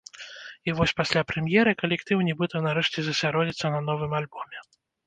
І вось пасля прэм'еры калектыў нібыта нарэшце засяродзіцца на новым альбоме.